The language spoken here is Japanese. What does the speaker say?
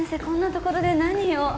こんなところで何を？